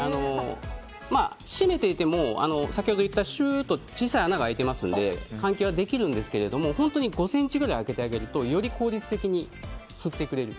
閉めていても先ほど言った小さな穴が開いているので換気はできるんですけど本当に５ｃｍくらい開けてあげるとより効率的に吸ってくれる。